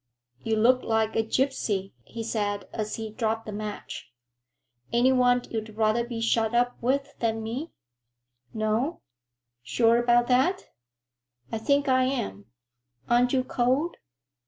"You look like a gypsy," he said as he dropped the match. "Any one you'd rather be shut up with than me? No? Sure about that?" "I think I am. Aren't you cold?"